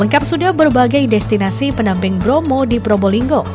lengkap sudah berbagai destinasi penamping bromo di probolinggo